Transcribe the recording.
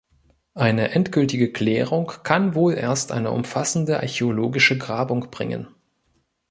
Eine endgültige Klärung kann wohl erst eine umfassende archäologische Grabung bringen.